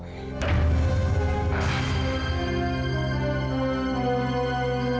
tapi kamu ketika tinggal ke nama retransmisi